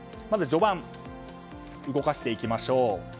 まず序盤、動かしていきましょう。